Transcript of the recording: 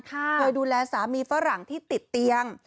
เคยดูแลสามีฝรั่งที่ติดเตียง